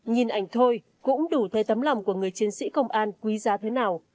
nhìn ảnh thôi cũng đủ thấy tấm lòng của người chiến sĩ công an quý giá thế nào